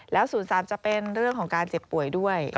แล้ว๐๓จะเป็นเรื่องของการเจ็บป่วยด้วย